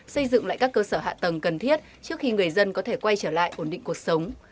xây dựng lại các cơ sở hạ tầng cần thiết trước khi người dân có thể quay trở lại ổn định cuộc sống